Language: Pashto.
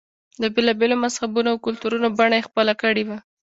د بېلا بېلو مذهبونو او کلتورونو بڼه یې خپله کړې وه.